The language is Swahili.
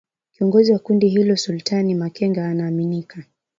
Kiongozi wa kundi hilo Sultani Makenga anaaminika